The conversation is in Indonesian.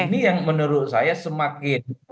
ini yang menurut saya semakin